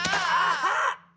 あっ！